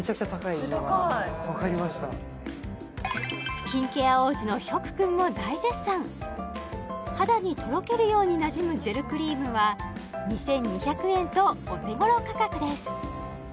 スキンケア王子のヒョク君も大絶賛肌にとろけるようになじむジェルクリームは２２００円とお手頃価格です